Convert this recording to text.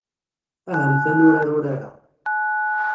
Ahamt ad nurar urar-a.